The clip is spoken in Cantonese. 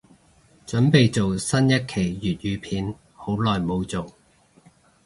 凖備做新一期粤語片，好耐無做